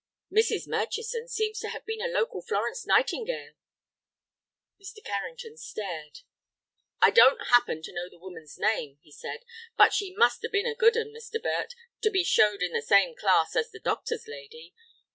"Mrs. Murchison seems to have been a local Florence Nightingale." Mr. Carrington stared. "I don't happen to know the woman's name," he said; "but she must have been a good 'un, Mr. Burt, to be showed in the same class as the doctor's lady.